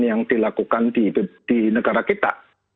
yang dilakukan di negara kita